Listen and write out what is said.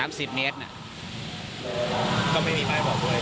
ก็ไม่มีไปบอกด้วย